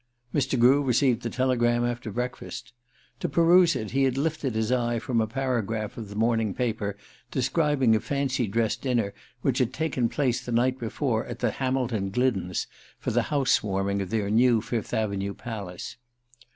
Mr. Grew received the telegram after breakfast. To peruse it he had lifted his eye from a paragraph of the morning paper describing a fancy dress dinner which had taken place the night before at the Hamilton Gliddens' for the house warming of their new Fifth Avenue palace.